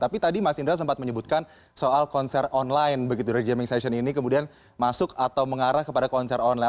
tapi tadi mas indra sempat menyebutkan soal konser online begitu dari jamming session ini kemudian masuk atau mengarah kepada konser online